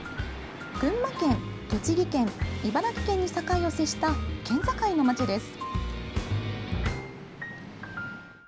群馬県、栃木県、茨城県に境を接した県境のまちです。